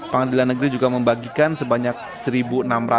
pengadilan negeri juga membagikan sebanyak rp satu